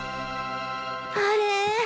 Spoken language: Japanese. あれ？